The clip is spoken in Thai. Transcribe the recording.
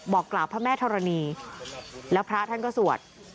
กล่าวพระแม่ธรณีแล้วพระท่านก็สวด